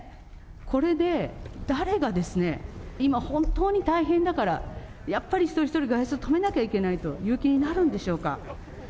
これで、誰がですね、今、本当に大変だから、やっぱり一人一人外出止めなきゃいけないという気になるんでしょ